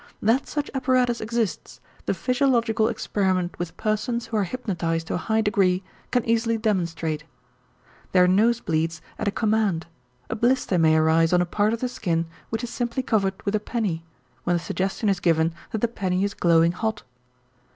That such apparatus exists, the physiological experiment with persons who are hypnotized to a high degree can easily demonstrate. Their nose bleeds at a command; a blister may arise on a part of the skin which is simply covered with a penny, when the suggestion is given that the penny is glowing hot.